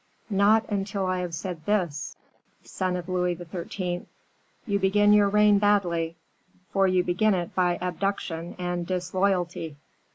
"Not until I have said this: 'Son of Louis XIII., you begin your reign badly, for you begin it by abduction and disloyalty!